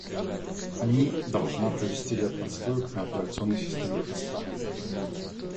Они должна провести ряд надстроек на операционной системой хоста